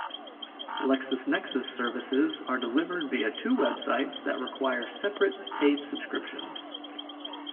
LexisNexis services are delivered via two websites that require separate paid subscriptions.